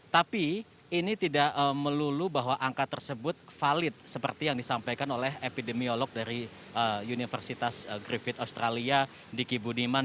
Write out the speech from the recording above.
tapi ini tidak melulu bahwa angka tersebut valid seperti yang disampaikan oleh epidemiolog dari universitas griffith australia diki budiman